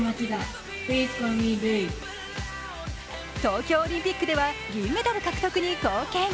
東京オリンピックでは銀メダル獲得に貢献。